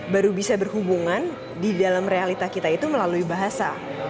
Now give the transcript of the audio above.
baru bisa berhubungan di dalam realita kita itu melalui bahasa